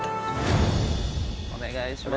お願いします。